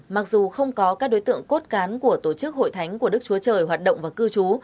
mặc dù không có các đối tượng cốt cán của tổ chức hội thánh của đức chúa trời hoạt động và cư trú